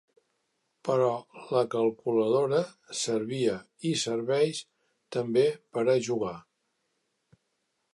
Però la calculadora servia i serveix també per a jugar.